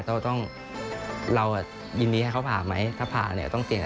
โปรดติดตามต่อไป